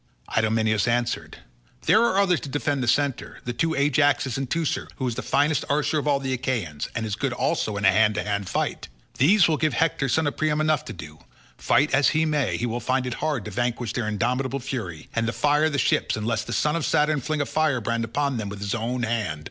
Idomeneus answered, "There are others to defend the centre—the two Ajaxes and Teucer, who is the finest archer of all the Achaeans, and is good also in a hand to hand fight. These will give Hector son of Priam enough to do; fight as he may, he will find it hard to vanquish their indomitable fury, and fire the ships, unless the son of Saturn fling a firebrand upon them with his own hand.